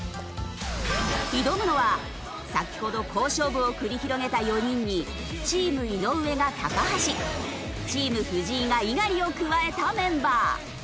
挑むのは先ほど好勝負を繰り広げた４人にチーム井上が橋チーム藤井が猪狩を加えたメンバー。